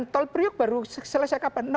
tol priok baru selesai kapan